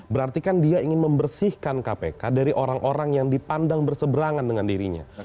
berarti kan dia ingin membersihkan kpk dari orang orang yang dipandang berseberangan dengan dirinya